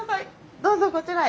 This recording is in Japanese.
どうぞこちらへ。